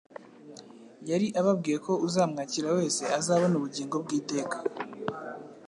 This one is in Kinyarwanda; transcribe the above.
Yari ababwiye ko uzamwakira wese azabona ubugingo bw'iteka.